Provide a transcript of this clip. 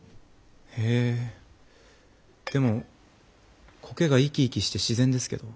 へえでも苔が生き生きして自然ですけど。